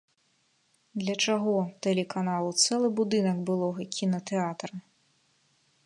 Для чаго тэлеканалу цэлы будынак былога кінатэатра?